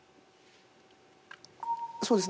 そうですね